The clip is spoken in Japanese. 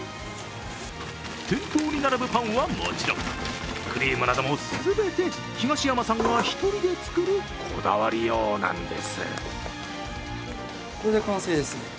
店頭に並ぶパンはもちろんクリームなども全て東山さんが１人で作るこだわりようなんです。